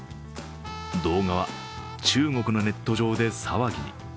動画は中国のネット上で騒ぎに。